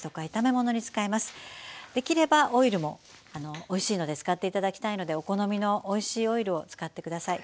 できればオイルもおいしいので使って頂きたいのでお好みのおいしいオイルを使ってください。